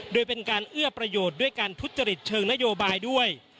โดยเป็นการเอื้อประโยชน์ด้วยการทุจริตเชิงนโยบายด้วย